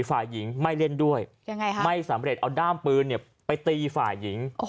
ฝ่ายหญิงไม่เล่นด้วยไม่สำเร็จเอาด้ามปืนไปตีฝ่ายหญิง